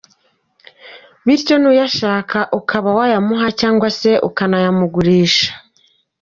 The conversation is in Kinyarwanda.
Bityo n’uyashaka ukaba wayamuha cyangwa se ukanayamugurisha.